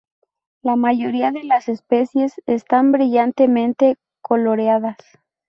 La mayoría de las especies están brillantemente coloreadas.